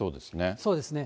そうですね。